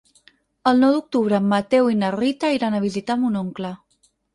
El nou d'octubre en Mateu i na Rita iran a visitar mon oncle.